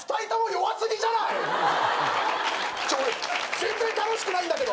全然楽しくないんだけど！